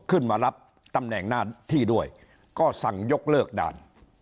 ขึ้นมารับตำแหน่งหน้าที่ด้วยก็สั่งยกเลิกด่าน